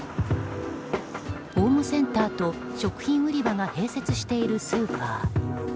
ホームセンターと食品売り場が併設しているスーパー。